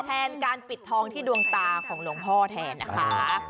แทนการปิดทองที่ดวงตาของหลวงพ่อแทนนะคะ